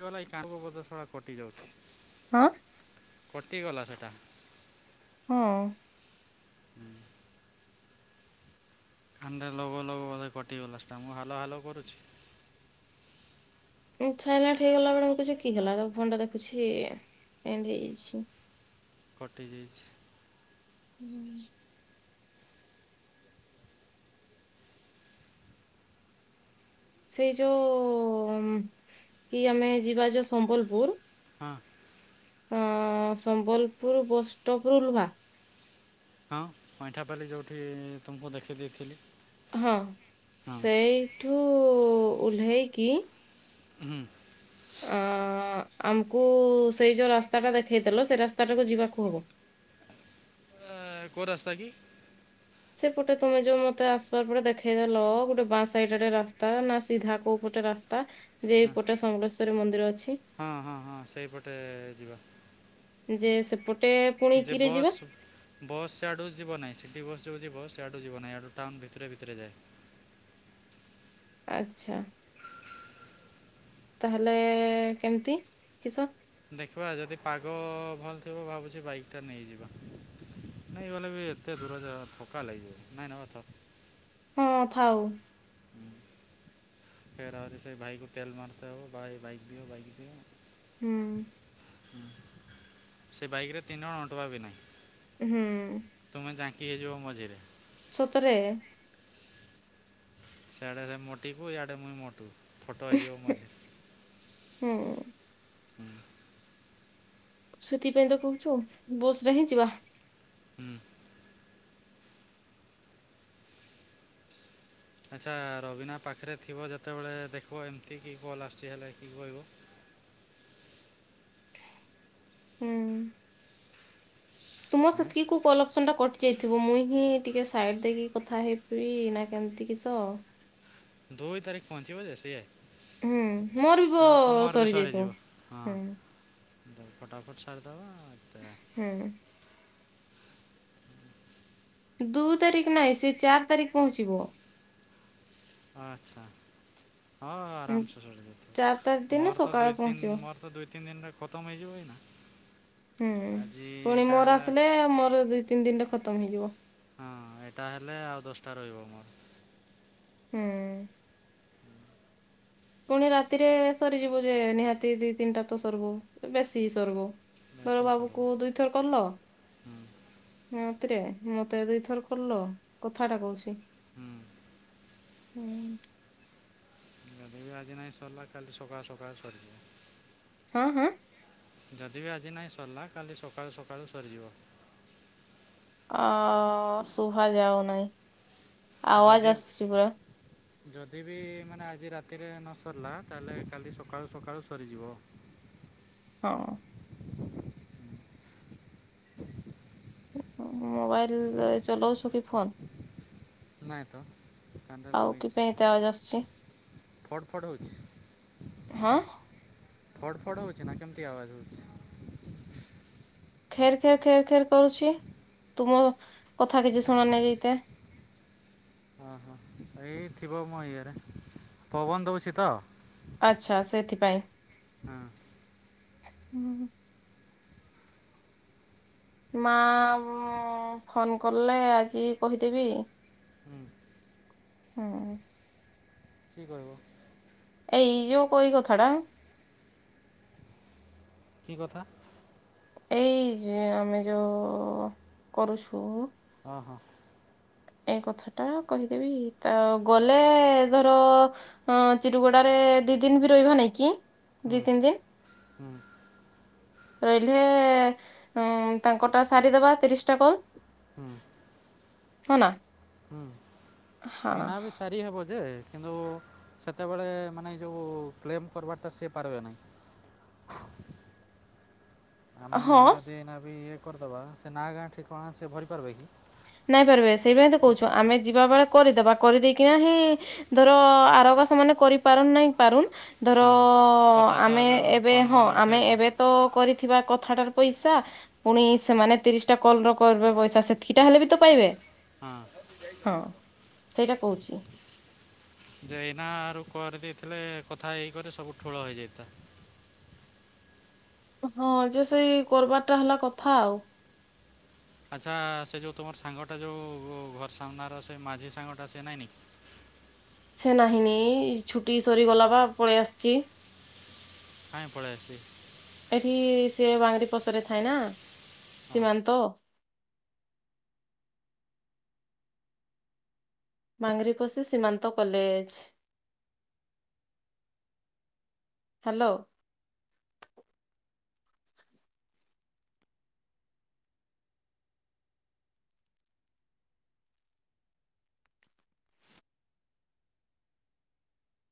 କାଟିବା ଲାଗି [unintelligible] ଶଳା କଟି ଯାଉ ହଁ। କଟିଗଲା ସେଟା। ହଁ। ଆଣ୍ଡେ ଲଗଉ ଲଗଉ ବୋଧେ କଟିଗଲା ସେଟା ମୁଁ ହାଲୋ ହାଲେ କରୁଛି। ଏଁ ସାଇଲେଣ୍ଟ୍ ହେଇଗଲା ବେଳେ ମୁ କିଛି କି ହେଲା ଫୋନ୍ ଟା ଦେଖୁଛି ଏଣ୍ଡି ହେଇଯାଇଛି। କଟିଯାଇଛି। ହୁଁ। ସେଇ ଯୋଉ କି ଆମେ ଯିବା ଯୋଉ ସମ୍ବଲପୁର। ହଁ। ଅଁ ସମ୍ବଲପୁର ବସ୍ ଷ୍ଟପ୍ ରୁ ଉଲୁହା। ହଁ ଅଇଁଠାପାଲି ଯୋଉଠି ତୁମକୁ ଦେଖେଇ ଦେଇଥିଲି। ହଁ ହଁ ସେଇଠୁ ଓଲ୍ହେଇକି। ହୁଁ। ଅ ଆମ୍ କୁ ସେଇ ଯୋଉ ରାସ୍ତାଟା ଦେଖେଇଥେଲ ସେ ରାସ୍ତାଟାକୁ ଯିବାକୁ ହବ। ଆ କୋଉ ରାସ୍ତା କି? ସେପଟେ ତମେ ଯୋଉ ମତେ ଆସବାବେଳେ ଦେଖେଇଦେଲ ଗୋଟେ ବାଁ ସାଇଡ୍ ରେ ରାସ୍ତା ନା ସିଧା କୋଉ ପଟେ ରା ସ୍ତା ଯେ ହଁ ଏଇପଟେ ସମଲେଶ୍ୱରୀ ମନ୍ଦିର ଅଛି। ହଁ ହଁ ହଁ ସେଇପଟେ ଯିବା ଯେ ସେ। ଯେ ବସ୍। ବସ୍ ସେଆଡ଼ୁ ଯିବ ନାହିଁ, ସିଟି ବସ୍ ଯୋଉ ଯିବ ସେଆଡୁ ଯିବ ନାହିଁ। ଆଡ଼ୁ ଟାଉନ୍ ଭିତରେ ଭିତରେ ଯାଏ। ଆଚ୍ଛା। ତାହେଲେ କେମିତି କିସ? ଦେଖିବା ଯଦି ପାଗ ଭଲ୍ ଥିବ ଭାବୁଚି ବାଇକ୍ ଟା ନେଇଯିବା। ନାଇଁ ଭଲେ ବି ଏତେ ଦୂର ଜାଗା ଥକା ଲାଗିବ, ନାଇଁ ନବା ଥାଉ। ହଁ, ଥାଉ। ଫେରେ ଆଉରି ସେ ଭାଇକୁ ତେଲ ମାରତା ହଉ। ଭାଇ ବାଇକ୍ ଦିଅ, ବାଇକ୍ ଦିଅ। ହୁଁ। ହୁଁ, ସେ ବାଇକ୍ ରେ ତିନି ଜଣ ଅଣ୍ଟବା ବି ନାହିଁ। ହୁଁ। ତୁମେ ଯାଙ୍କି ହେଇଯିବ ମଝିରେ। ସତରେ? ସେଇଆଡ଼େ ସେ ମୋଟିକୁ ଇଆଡ଼େ ମୁଇଁ ମୋଟୁ ଫଟୋ ହେଇଯିବ ମଝିରେ। ହୁଁ। ହୁଁ ସେଥିପାଇଁ ତ କହୁଛୁ ବସ୍ ରେ ହିଁ ଯିବା। ହୁଁ। ଆଚ୍ଛା, ରବିନା ପାଖରେ ଥିବ ଯେତେବେଳେ ଦେଖିବ ଏମିତି କି କଲ୍ ଆସୁଚି ହେଲେ କି କହିବ? ହୁଁ। ତୁମ ହଁ ସେତିକି କୁ। କଲଅପସନ୍ ଟା କଟି ଯାଇଥିବ, ମୁଁ ହିଁ ଟିକେ ସାଇଟ ଦେଇକି କଥା ହେଇବି ନା କେମତି କିସ? ଦୁଇ ତାରିଖ ପହଞ୍ଚିବ ଯେ ସେ। ହୁଁ ମୋର ବି ବ ହ ତୁମର ବି ସରିଯାଇଥିବ ସରିଯିବ। ହୁଁ ହଁ। ଫଟାଫଟ ସାରିଦବା। ହୁଁ। ଦୁଇ ତାରିଖ ନାହିଁ ସେ ଚାରି ତାରିଖ ପହଞ୍ଚିବ। ଆଛା। ହଁ, ହୁଁ, ଆରାମସେ ଚାରି ତାରିଖ ସରିଯାଇଥିବ ଦିନ ମୋର ତ ସକାଳେ ଦୁଇ ତିନ୍ ପହଞ୍ଚିବ ମୋର ତ ଦୁଇ ତିନି ଦିନରେ। ଖତମ ହଇଜିବ ଆ ନା। ହୁଁ, ପୁଣି ମୋର ଆସିଲେ ମୋର ଦିଇ ତିନି ଦିନିରେ ଖତମ ହେଇଯିବ। ହଁ, ଏଟା ହେଲେ ଆଉ ଦଶଟା ରହିବ ମୋର। ହୁଁ। ପୁଣି ରାତିରେ ସରିଯିବ ଯେ ନିହାତି ଦି, ତିନିଟା ତ ସରବୋ କି ବେଶୀ ସରବୋ। ବର ମେସିନ୍ ବାବୁ ସରିବ କୁ ଦୁଇଥର କଲ। ହୁଁ ହତିରେ ମତେ ଦୁଇଥର କଲ କଥାଟା କହୁଚି। ହୁଁ ହୁଁ। ଗାଡ଼ି ବି ଆଜି ନାହିଁ ସରିଲା କାଲି ସକାଳୁ ସକାଳୁ ସରିଯିବ। ହଁ, ହଁ। ଯଦି ବି ଆଜି ନାଇଁ ସରିଲା କାଲି ସକାଳୁ ସକାଳୁ ସରିଯିବ। ଅ ସୁଭା ଯାଉ ନାହିଁ। ଯଦି। ଯଦି ବି ମାନେ ଆଜି ରାତିରେ ନ ସରିଲା ତାହାଲେ କାଲି ସକାଳୁ ସକାଳୁ ସରିଯିବ। ହଁ। ମୋବାଇଲ ଚଲଉଛୁ କି ଫୋନ? ନାଇଁ ତ କାନରେ ଆଉ କି ପାଇଁ ଲଗେଇଚି। ଏତେ ଆୱାଜ ଆସୁଛି ଫଡ୍ ଫଡ୍ ହୋଉଛି। ହଁ। ଫଡ୍ ଫଡ୍ ହୋଉଚି ନା କେମିତି ଆବାଜ ହୋଉଚି? ଖେର ଖେର ଖେର ଖେର କରୁଛି। ତୁମ କଥା କିଛି ଶୁଣନାଇଁତେ। ଓହୋ ଏଇ ଥିବ ମୋ ଇଏରେ ପବନ ଦୋଉଛି ତ। ଆଚ୍ଛା ସେଥିପାଇଁ। ହଁ। ହୁଁ ହୁଁ। ମା ମା ଫୋନ୍ କଲେ ଆଜି କହିଦେବି। ହୁଁ ହୁଁ। କିଏ କହିବ? ଏଇ ଯୋଉ କଇ କଥାଟା। କି କଥା? ଏଇ ଆମେ ଯୋଉ କରୁଛୁ। ହଁ ହଁ। ଏଇ କଥାଟା କହିଦେବି ତ ଗଲେ ଧର ହଁ ଚିରୁଗୁଡାରେ ଦି ଦିନି ବି ରହିବ ନାଇଁ କି? ହୁଁ ଦି ତିନି ଦିନ ହୁଁ। ରହିଲେ ଉଁ ତାଙ୍କ ଟା ସାରିଦବା ତିରିଶଟା କଲ୍। ହୁଁ। ହଁ ନା। ହୁଁ ହଁ ଏଇନା ବି ସାରି ହେବ ଯେ କିନ୍ତୁ ସେତେବେଳେ ମାନେ ଏ ଯୋଉ କ୍ଲେମ୍ କର୍ ବାଟା ସେ ପାରିବେ ନାହିଁ। ଆମେ ହଁ ଯଦି ଏଇନା ବି ଇଏ କରିଦବା। ସେ ନାଁ ଗାଁ ଠିକଣା ସେ ଭରିପାରିବେ କି? ନାଇଁ ପାରିବେ ସେଇ ପାଇଁ ତ କୋହୁଛୁ। ଆମେ ଯିବା ବେଳେ କରିଦବା କରିଦେଇକିନା ହିଁ ଧର ଆରୋଗା ସେମାନେ କରିପାରନ୍ ନାଇଁ ପାରୁନ [unintelligible] ଧର ହଁ କଥା ତ ଆମେ ହେବେ ଏବେ ଫୋନ୍ ହଁ ଗଲେ ଆମେ ଉଠେଇବ ଏବେ ତ କରିଥିବା କଥାଟାର ପଇସା ପୁଣି ସେମାନେ ତିରିଶଟା କଲ୍ ର କରିବେ ପଇସା ସେଥି କିଟା ହେଲେ ବି ତ ପାଇବେ। ହଁ। ହଁ ସେଇଟା କୋହୁଛି। ଯେ ଏଇନା ଆରୁ କରିଦେଇଥିଲେ କଥା ହେଇକରି ସବୁ ଠୁଳ ହେଇଯାଇଥା। ହଁ ଯେ ସେଇ କର୍ ବାରଟା ହେଲା କଥା ଆଉ। ଆଚ୍ଛା ସେ ଯୋଉ ତୁମର ସାଙ୍ଗଟା ଯୋଉ ଘର ସାମ୍ନାର ସେ ମାଝି ସାଙ୍ଗଟା ସେ ନାଇଁ ନି। ସେ ନାହିଁନି ଛୁଟି ସରିଗଲା ବା ପଳେଇ ଆସିଚି। କାଇଁ ପଳେଇ ଆସିଚି? ଏଠି ସେ ବାଙ୍ଗିରି ପଶିରେ ଥାଏ ନା ସୀମାନ୍ତ। ବାଙ୍ଗରିପଷି ସୀମାନ୍ତ କଲେଜ। ହାଲୋ।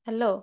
ହାଲୋ।